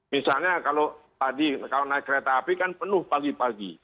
misalnya kalau tadi kalau naik kereta api kan penuh pagi pagi